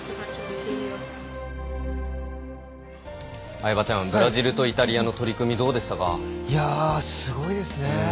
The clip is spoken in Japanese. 相葉ちゃん、ブラジルとイタリアの取り組みいやあ、すごいですね。